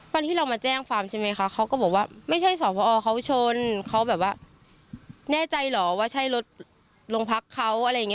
วันที่เรามาแจ้งความใช่ไหมคะเขาก็บอกว่าไม่ใช่สอบพอเขาชนเขาแบบว่าแน่ใจเหรอว่าใช่รถโรงพักเขาอะไรอย่างนี้